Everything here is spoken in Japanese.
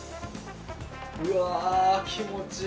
うわ、気持ちいい。